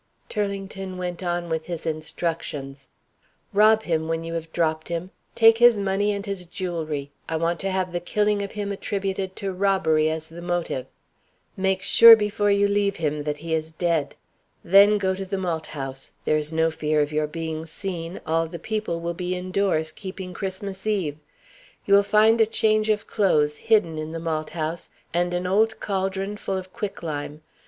Turlington went on with his instructions. "Rob him when you have dropped him. Take his money and his jewelry. I want to have the killing of him attributed to robbery as the motive. Make sure before you leave him that he is dead. Then go to the malt house. There is no fear of your being seen; all the people will be indoors, keeping Christmas eve. You will find a change of clothes hidden in the malt house, and an old caldron full of quicklime.